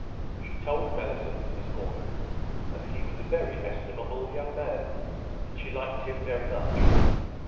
She told Mellicent this morning that he was a very estimable young man, and she liked him very much.